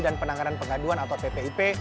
dan penanganan pengaduan atau ppip